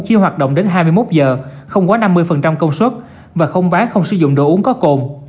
chỉ hoạt động đến hai mươi một giờ không quá năm mươi công suất và không bán không sử dụng đồ uống có cồn